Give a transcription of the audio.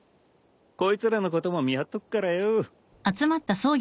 こいつらのことも見張っとくからよ。